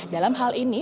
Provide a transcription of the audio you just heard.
dalam hal ini